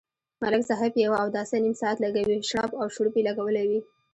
ملک صاحب په یوه اوداسه نیم ساعت لگوي، شړپ او شړوپ یې لگولی وي.